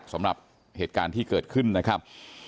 สำหรับเหตุการณ์ที่เกิดขึ้นนะครับ